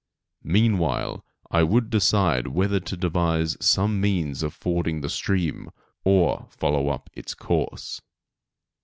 Meanwhile I would decide whether to devise some means of fording the stream, or follow up its course.